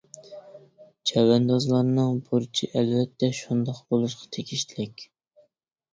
چەۋەندازلارنىڭ بۇرچى ئەلۋەتتە شۇنداق بولۇشقا تېگىشلىك.